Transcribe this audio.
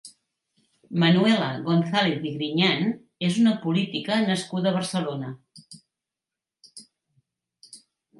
Manuela González i Griñán és una política nascuda a Barcelona.